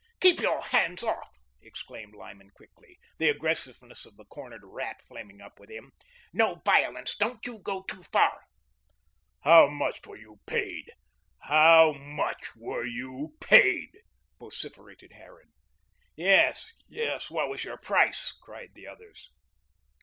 "Keep your hands off," exclaimed Lyman quickly, the aggressiveness of the cornered rat flaming up within him. "No violence. Don't you go too far." "How much were you paid? How much were you paid?" vociferated Harran. "Yes, yes, what was your price?" cried the others.